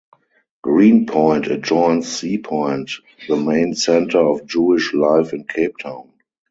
Green Point adjoins Sea Point the main centre of Jewish life in Cape Town.